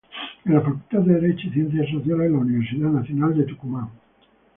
En la Facultad de Derecho y Ciencias Sociales de la Universidad Nacional de Tucumán.